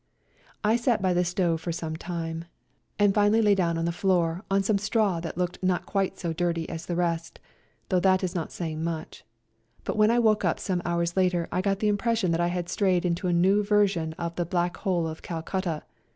I sat by the stove for some time, and finally lay down on the A COLD NIGHT RIDE 101 floor on some straw that looked not quite so dirty as the rest, though that is not saying much, but when I woke up some hours later I got the impression that I had strayed into a new version of the Black Hole of Calcutta.